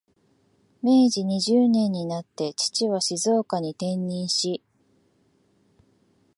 明治二十年になって、父は静岡に転任し、